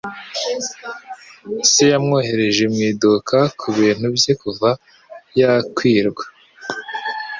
Se yamwohereje mu iduka ku bintu bye kuva yakirwa.